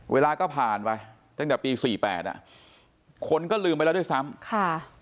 เวลาก็ผ่านไปตั้งแต่ปีสี่แปดอ่ะคนก็ลืมไปแล้วด้วยซ้ำค่ะ